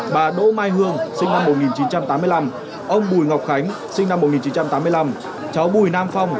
bà đỗ mai hương sinh năm một nghìn chín trăm tám mươi năm ông bùi ngọc khánh sinh năm một nghìn chín trăm tám mươi năm